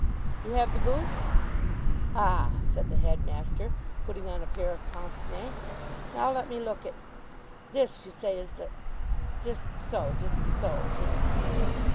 "You have the boot?" "Ah," said the headmaster, putting on a pair of pince nez, "now let me look at This, you say, is the ? Just so. Just so. Just....